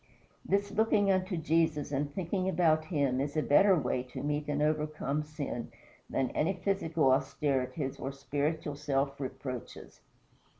This looking unto Jesus and thinking about him is a better way to meet and overcome sin than any physical austerities or spiritual self reproaches.